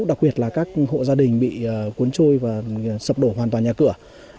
đặc biệt là các hộ gia đình bị cuốn trôi và sập đổ hoàn toàn nhà cửa